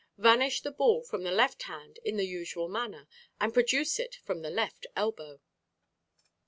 Vanish the ball from the left hand in the usual manner and produce it from the left elbow.